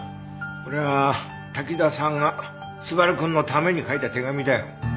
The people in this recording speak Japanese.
これは滝沢さんが昴くんのために書いた手紙だよ。